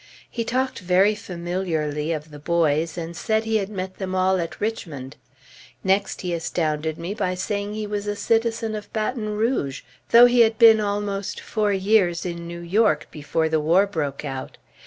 He talked very familiarly of the boys, and said he had met them all at Richmond. Next he astounded me by saying he was a citizen of Baton Rouge, though he had been almost four years in New York before the war broke out.